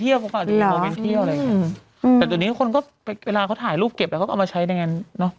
แต่ตอนนี้คนก็เวลาเขาถ่ายรูปเก็บแล้วก็เอามาใช้ในงาน